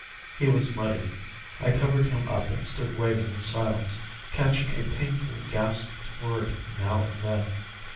"He was muddy. I covered him up and stood waiting in silence, catching a painfully gasped word now and then.